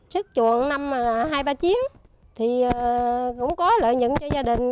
sức chuộng năm hai ba chiếc thì cũng có lợi nhận cho gia đình